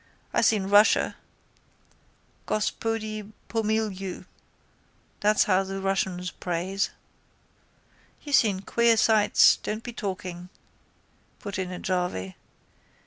I seen Russia. Gospodi pomilyou. That's how the Russians prays. —You seen queer sights, don't be talking, put in a jarvey.